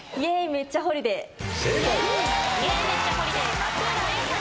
めっちゃホリディ』正解。